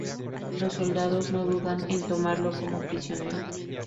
Los soldados no dudan en tomarlo como prisionero.